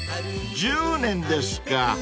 ［１０年ですか！］